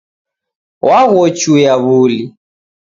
Waghochuya wuli